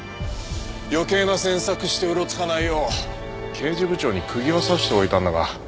余計な詮索してうろつかないよう刑事部長にくぎを刺しておいたんだが。